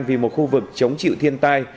vì một khu vực chống chịu thiên tai